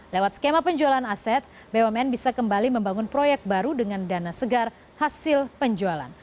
lewat skema penjualan aset bumn bisa kembali membangun proyek baru dengan dana segar hasil penjualan